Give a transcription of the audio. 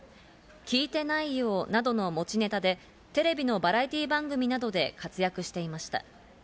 「聞いてないよ！」などの持ちネタでテレビのバラエティー番組などで活躍していました。